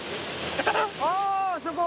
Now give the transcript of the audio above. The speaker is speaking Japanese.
ああそこ！